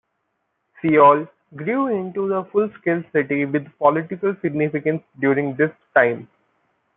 Seoul grew into a full-scale city with political significance during this time.